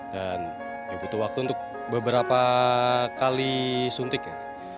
dan ya butuh waktu untuk beberapa kali suntik ya